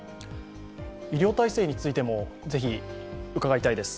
医療体制についてもぜひ伺いたいです。